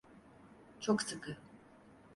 Çok sıkı.